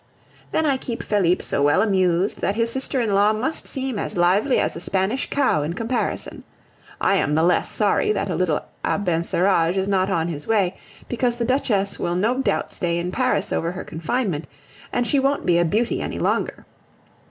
Then I keep Felipe so well amused, that his sister in law must seem as lively as a Spanish cow in comparison. I am the less sorry that a little Abencerrage is not on his way, because the Duchess will no doubt stay in Paris over her confinement, and she won't be a beauty any longer.